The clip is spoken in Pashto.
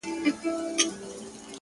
زنګ وهلی د خوشال د توري شرنګ یم”